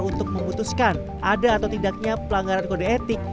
untuk memutuskan ada atau tidaknya pelanggaran kode etik